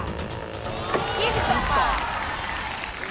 ๒๓บาท